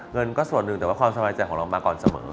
เงินก็ส่วนหนึ่งแต่ว่าความสบายใจของเรามาก่อนเสมอ